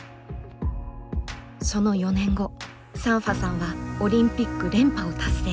その４年後サンファさんはオリンピック連覇を達成。